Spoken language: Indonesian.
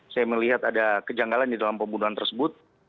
saya melihat ada kejanggalan di dalam pembunuhan tersebut